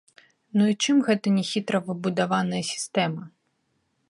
Ну і чым гэта не хітра выбудаваная сістэма?